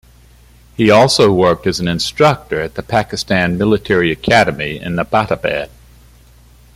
He also worked as an instructor at the Pakistan Military Academy in Abbottabad.